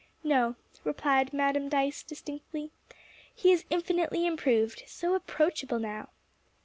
"No," replied Madam Dyce distinctly, "he is infinitely improved; so approachable now."